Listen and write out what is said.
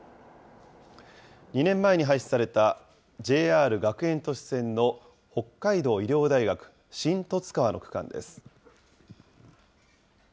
２年前に廃止された、ＪＲ学園都市線の北海道医療大学・新十津川の区間です。